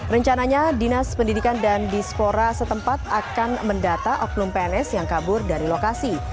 rencananya dinas pendidikan dan dispora setempat akan mendata oknum pns yang kabur dari lokasi